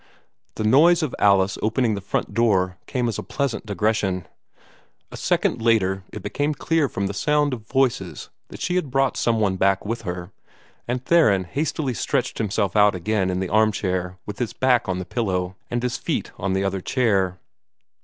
The noise of Alice opening the front door came as a pleasant digression. A second later it became clear from the sound of voices that she had brought some one back with her, and Theron hastily stretched himself out again in the armchair, with his head back in the pillow, and his feet on the other chair.